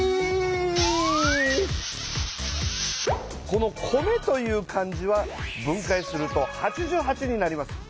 この「米」という漢字は分かいすると「八十八」になります。